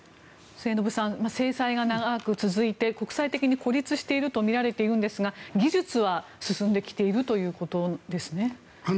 末延さん制裁が長く続いて国際的に孤立しているとみられているんですが技術は進んできているということですね。